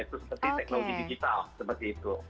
itu seperti teknologi digital seperti itu